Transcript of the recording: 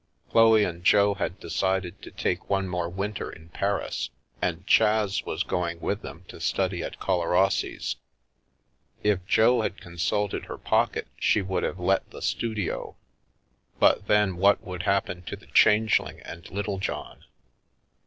Chloe and Jo had decided to take one more winter in Paris, and Chas was going with them to study at Collarossi's. If Jo had consulted her pocket she would have let the studio, but then what would happen to the Changeling and Littlejohn?